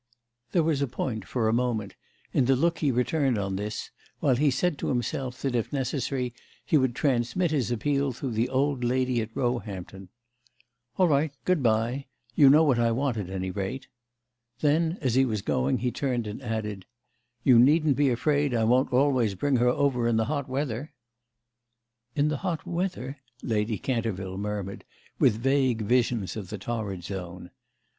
There was a point, for a moment, in the look he returned on this, while he said to himself that if necessary he would transmit his appeal through the old lady at Roehampton. "All right—good bye. You know what I want at any rate." Then as he was going he turned and added: "You needn't be afraid I won't always bring her over in the hot weather!" "In the hot weather?" Lady Canterville murmured with vague visions of the torrid zone.